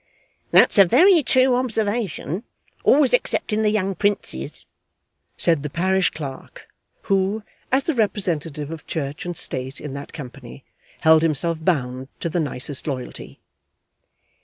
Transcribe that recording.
'That's a very true observation, always excepting the young princes,' said the parish clerk, who, as the representative of church and state in that company, held himself bound to the nicest loyalty.